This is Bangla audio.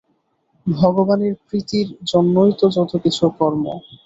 ভগবানের প্রীতির জন্যই তো যত কিছু কর্ম।